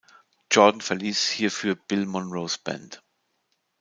Jordan verließ hierfür Bill Monroes Band.